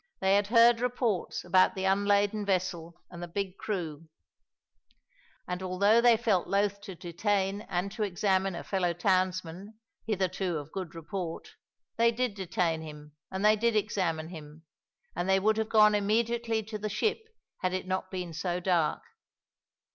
They had heard reports about the unladen vessel and the big crew; and, although they felt loath to detain and to examine a fellow townsman, hitherto of good report, they did detain him and they did examine him, and they would have gone immediately to the ship had it not been so dark.